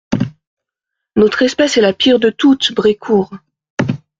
Notre espèce est la pire de toutes, Brécourt !